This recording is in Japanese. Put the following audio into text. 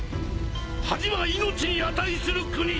恥は命に値する国！